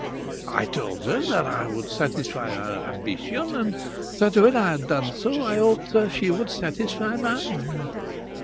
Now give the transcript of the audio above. I told her that I would satisfy her ambition, and that when I had done so I hoped she would satisfy mine.